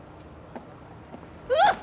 うわっ！